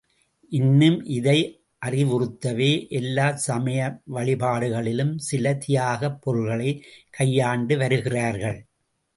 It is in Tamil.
இன்னும் இதை அறிவுறுத்தவே— எல்லாச் சமய வழிபாடுகளிலும், சில தியாகப் பொருள்களைக் கையாண்டு வருகிறார்கள்.